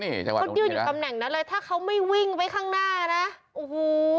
นี่คราวนี้เขาเดียวกันแหน่งนั้นเลยถ้าเขาไม่วิ่งไว้ข้างหน้านะโอ้โฮ